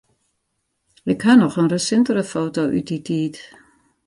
Ik haw noch in resintere foto út dy tiid.